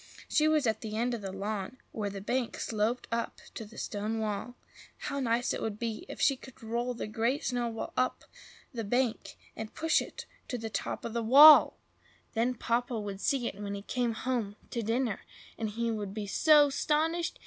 She was at the end of the lawn, where the bank sloped up to the stone wall. How nice it would be if she could roll the Great Snowball up the bank, and push it to the top of the wall! Then Papa would see it when he came home to dinner, and he would be so 'stonished!